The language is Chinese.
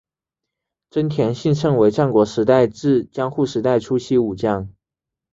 真田信胜为战国时代至江户时代初期武将。